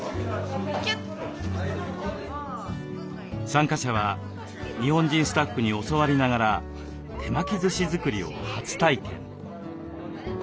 参加者は日本人スタッフに教わりながら手巻きずし作りを初体験。